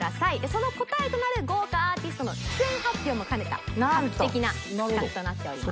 その答えとなる豪華アーティストの出演発表も兼ねた画期的な企画となっております。